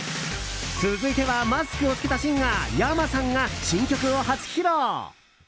続いてはマスクを着けたシンガーｙａｍａさんが新曲を初披露。